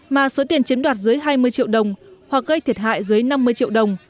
mà số tiền chiếm đoạt dưới hai mươi triệu đồng hoặc gây thiệt hại dưới năm mươi triệu đồng